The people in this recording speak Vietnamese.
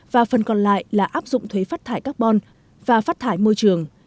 và phần còn lại là áp dụng thuế phát thải carbon và phát thải môi trường